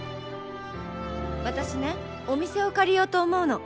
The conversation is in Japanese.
私ねお店を借りようと思うの。